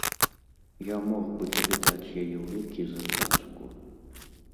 Я мог бы табе даць яе ў рукі за цацку.